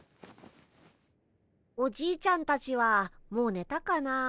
おじいちゃんたちはもうねたかな。